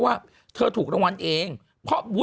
ไหนวะงู